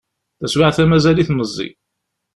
Taswiεt-a mazal-it meẓẓi.